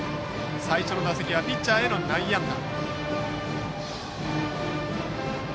最初の打席はピッチャーへの内野安打。